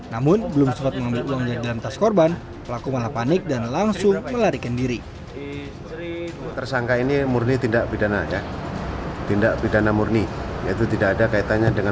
namun belum sempat mengambil uangnya di dalam tas korban pelaku malah panik dan langsung melarikan diri